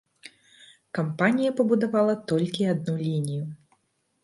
Кампанія пабудавала толькі адну лінію.